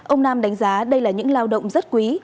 ông nam đánh giá đây là những lao động rất quý